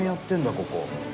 ここ。